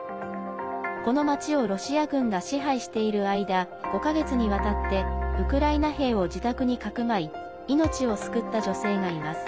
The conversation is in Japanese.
この町をロシア軍が支配している間５か月にわたってウクライナ兵を自宅にかくまい命を救った女性がいます。